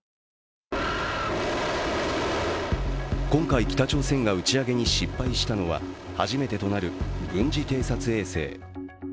今回、北朝鮮が打ち上げに失敗したのは初めてとなる軍事偵察衛星。